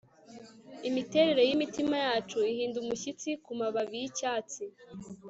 Imiterere yimitima yacu ihinda umushyitsi kumababi yicyatsi